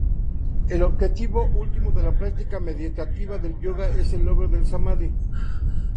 El objetivo último de la práctica meditativa del yoga, es el logro del "samadhi".